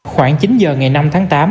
khoảng chín h ngày năm tháng tám